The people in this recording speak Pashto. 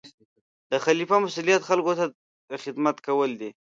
د خلیفه مسؤلیت خلکو ته خدمت کول دي.